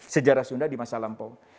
sejarah sunda di masa lampau